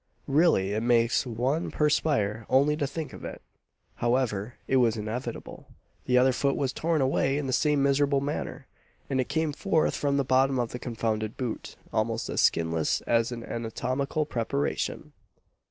Really it makes one perspire only to think of it. However, it was inevitable the other foot was torn away in the same miserable manner, and it came forth from the bottom of the confounded boot almost as skinless as an anatomical preparation!